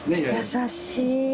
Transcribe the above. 優しい。